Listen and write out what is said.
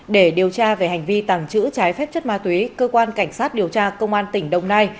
để điều tra về hành vi tàng trữ trái phép chất ma túy cơ quan cảnh sát điều tra công an tỉnh đồng nai